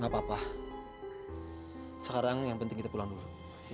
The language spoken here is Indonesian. gak apa apa sekarang yang penting kita pulang dulu